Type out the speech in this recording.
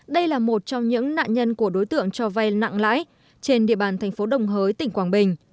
đây là một trong những nạn nhân của đối tượng cho vay nặng lãi trên địa bàn thành phố đồng hới tỉnh quảng bình